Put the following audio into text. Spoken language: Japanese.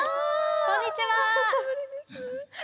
こんにちは！